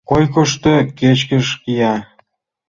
— Койкышто кечкыж кия.